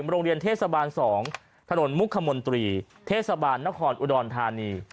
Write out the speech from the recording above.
โรงเรียนเทศบาล๒ถนนมุกขมนตรีเทศบาลนครอุดรธานี